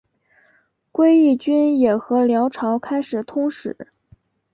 归义军也和辽朝开始通使。